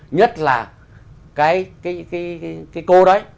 nhất là cái cô đấy